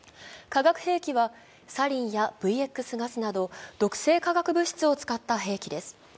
化学兵器はサリンやＶＸガスなど毒性化学物質を使った兵器です。